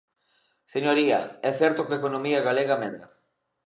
Señoría, é certo que a economía galega medra.